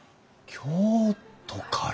京都から！